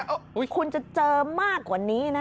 คุณจะเจอมากกว่านี้นะ